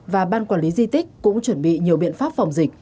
và ban quản lý di tích cũng chuẩn bị nhiều biện pháp phòng dịch